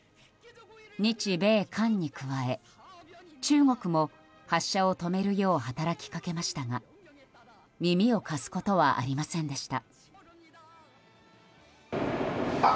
日米韓に加え中国も発射を止めるよう働きかけましたが耳を貸すことはありませんでした。